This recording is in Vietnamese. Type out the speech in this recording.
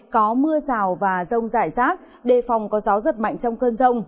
có mưa rào và rông rải rác đề phòng có gió giật mạnh trong cơn rông